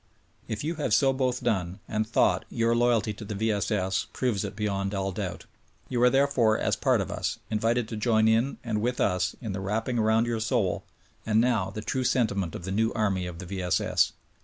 If you have so both done, and thought, your loyalty to the V. S. S. proves it beyond all doubt. You are therefore, as part of us, invited to join in and with us, in the wrapping around your soul, and now — the true sentiment of the new army the V. S. S.